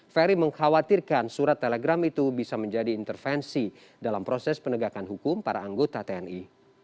ferry mengkhawatirkan surat telegram itu bisa menjadi intervensi dalam proses penegakan hukum para anggota tni